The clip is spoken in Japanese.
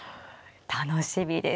楽しみです。